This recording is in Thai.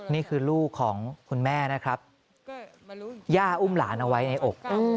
นี่คือลูกของคุณแม่นะครับย่าอุ้มหลานเอาไว้ในอก